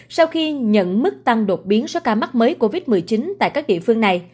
sau khi nhận mức tăng đột biến sớt ca mắc mới của covid một mươi chín